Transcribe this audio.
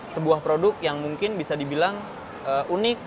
sebuah produk yang mungkin bisa dibilang unik